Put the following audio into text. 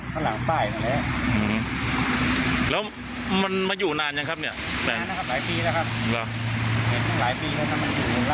เห็นหลายปีแล้วมันอยู่หลังสุขมะมุนอย่างกันปีน้อยเยอะ